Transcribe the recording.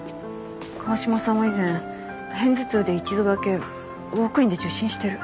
川嶋さんは以前偏頭痛で一度だけウォークインで受診してる。